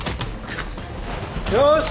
よし。